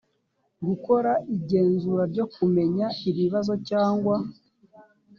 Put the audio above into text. gukora igenzura ryo kumenya ibibazo cyangwa